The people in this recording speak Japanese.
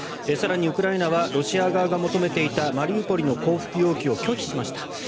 更に、ウクライナはロシア側が求めていたマリウポリの降伏要求を拒否しました。